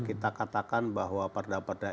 kita katakan bahwa perda perda